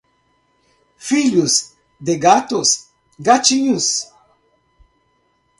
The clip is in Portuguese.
Filhos de gatos, gatinhos.